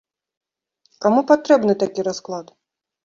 Каму патрэбны такі расклад?